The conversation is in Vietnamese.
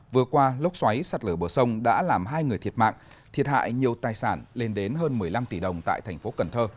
vừa qua lốc xoáy sạt lở bờ sông đã làm hai người thiệt mạng thiệt hại nhiều tài sản lên đến hơn một mươi năm tỷ đồng tại thành phố cần thơ